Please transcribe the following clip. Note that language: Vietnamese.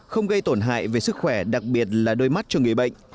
không gây tổn hại về sức khỏe đặc biệt là đôi mắt cho người bệnh